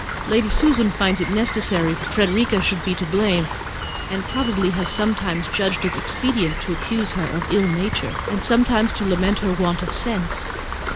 Lady Susan finds it necessary that Frederica should be to blame, and probably has sometimes judged it expedient to accuse her of ill nature and sometimes to lament her want of sense.